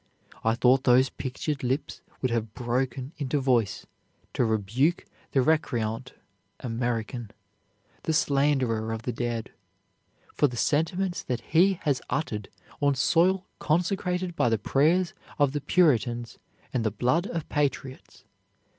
"I thought those pictured lips would have broken into voice to rebuke the recreant American, the slanderer of the dead. For the sentiments that he has uttered, on soil consecrated by the prayers of the Puritans and the blood of patriots.